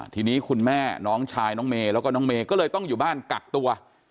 ทีนี้คุณแม่น้องชายน้องเมย์แล้วก็น้องเมย์ก็เลยต้องอยู่บ้านกักตัว